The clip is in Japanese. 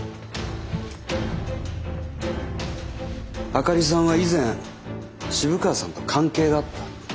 灯里さんは以前渋川さんと関係があった。